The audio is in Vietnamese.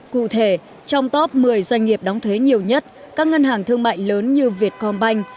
cụ thể trong top một mươi doanh nghiệp đóng thuế nhiều nhất các ngân hàng thương mại lớn như vietcombank